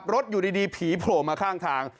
อยู่ดีผีโผล่มาข้างทาง